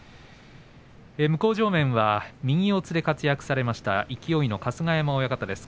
向正面は右四つで活躍した勢の春日山親方です。